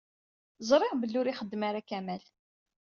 Ẓriɣ belli ur ixeddem ara Kamal.